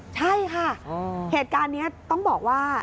ใช่ค่ะเหตุการณ์นี้ต้องบอกว่า